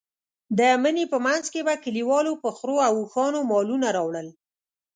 د مني په منځ کې به کلیوالو په خرو او اوښانو مالونه راوړل.